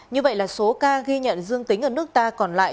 như vậy là số ca ghi nhận dương tính ở nước ta còn lại